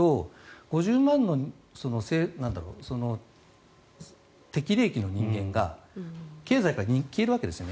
５０万の適齢期の人間が経済から消えるわけですね。